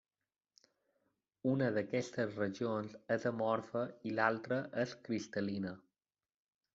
Una d'aquestes regions és amorfa i l'altra és cristal·lina.